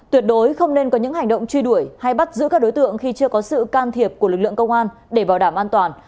tuyệt đối không nên có những hành động truy đuổi hay bắt giữ các đối tượng khi chưa có sự can thiệp của lực lượng công an để bảo đảm an toàn